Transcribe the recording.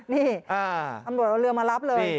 นี่ตำรวจเอาเรือมารับเลย